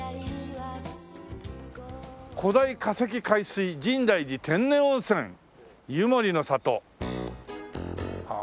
「古代化石海水深大寺天然温泉湯守の里」はあ。